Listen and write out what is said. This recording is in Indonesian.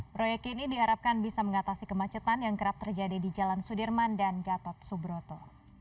proyek ini diharapkan bisa mengatasi kemacetan yang kerap terjadi di jalan sudirman dan gatot subroto